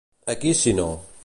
A qui si no?